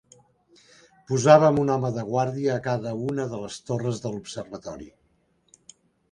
Posàvem un home de guàrdia a cada una de les torres de l'observatori